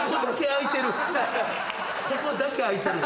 ここだけ開いてる。